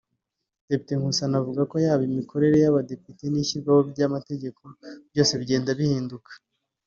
Depite Nkusi anavuga ko yaba imikorere y’abadepite n’ishyirwaho ry’amategeko byose bigenda bihinduka